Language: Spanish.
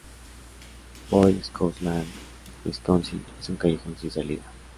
Boy Scout Lane, Wisconsin, es un callejón sin salida.